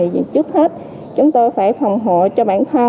nhưng trước hết chúng tôi phải phòng hộ cho bản thân